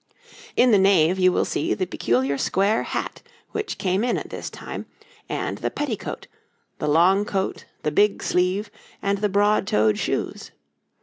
In the knave you will see the peculiar square hat which came in at this time, and the petti cote, the long coat, the big sleeve, and the broad toed shoes.